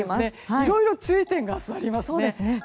いろいろ注意点が明日はありますね。